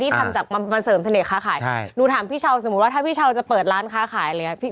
ทำจากมาเสริมเสน่หค้าขายใช่หนูถามพี่เช้าสมมุติว่าถ้าพี่เช้าจะเปิดร้านค้าขายอะไรอย่างเงี้พี่